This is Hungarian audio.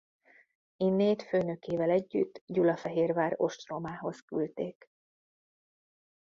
Innét főnökével együtt Gyulafehérvár ostromához küldték.